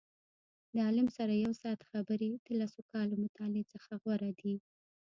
د عالم سره یو ساعت خبرې د لسو کالو مطالعې څخه غوره دي.